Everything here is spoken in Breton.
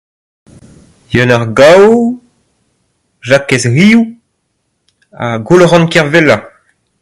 Yeun ar Gow, Jakez Riou ha Goulc'han Kervella.